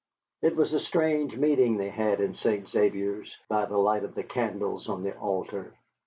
It was a strange meeting they had in St. Xavier's, by the light of the candles on the altar.